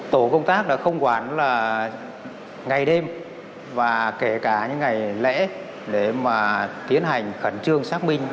tổ công tác đã không quản là ngày đêm và kể cả những ngày lễ để mà tiến hành khẩn trương xác minh